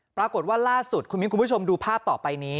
ปรากฏว่าล่าสุดคุณมิ้นคุณผู้ชมดูภาพต่อไปนี้